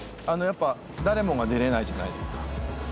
あのやっぱ誰もが出られないじゃないですか